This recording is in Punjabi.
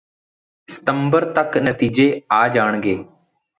ਸੰਤਬਰ ਤੱਕ ਨਤੀਜੇ ਆ ਜਾਣਗੇ